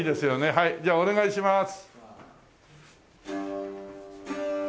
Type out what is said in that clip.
はいじゃあお願いします。